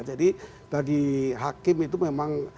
jadi bagi hakim itu memang